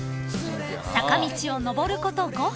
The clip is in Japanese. ［坂道を上ること５分］